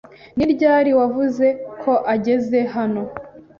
Ni ryari wavuze ko ageze hano?